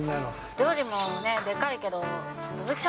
料理もでかいけど、ん？